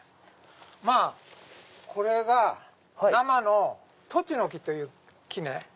まぁこれが生のトチノキという木ね。